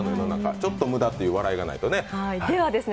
ちょっと無駄という話題がないとね。